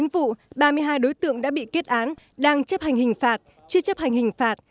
một mươi chín vụ ba mươi hai đối tượng đã bị kết án đang chấp hành hình phạt chưa chấp hành hình phạt